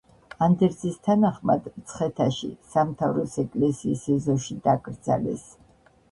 ანდერძის თანახმად მცხეთაში, სამთავროს ეკლესიის ეზოში დაკრძალეს.